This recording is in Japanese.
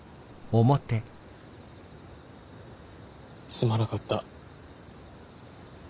すまなかった。